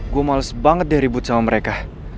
gue males banget deh ribut sama mereka